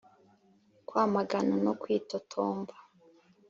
kwamagana no kwitotomba